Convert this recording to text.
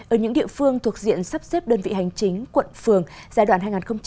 ở những địa phương thuộc diện sắp xếp đơn vị hành chính quận phường giai đoạn hai nghìn hai mươi ba hai nghìn ba mươi